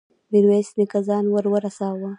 ميرويس نيکه ځان ور ورساوه.